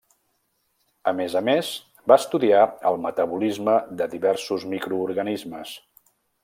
A més a més va estudiar el metabolisme de diversos microorganismes.